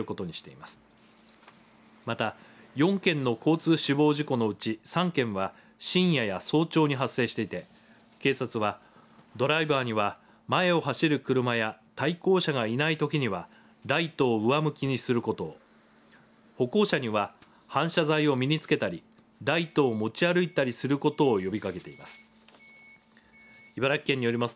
また、４件の交通死亡事故のうち３件は深夜や早朝に発生していて警察は、ドライバーには前を走る車や対向車がいないときにはライトを上向きにすること歩行者には反射材を身に着けたりライトを持ち歩いたりすることを呼びかけています。